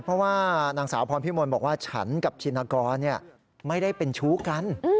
เพราะว่านางสาวพรพิมลบอกว่าฉันกับชินกรไม่ได้เป็นชู้กัน